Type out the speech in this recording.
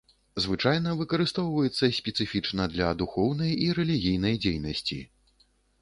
Звычайна выкарыстоўваецца спецыфічна для духоўнай і рэлігійнай дзейнасці.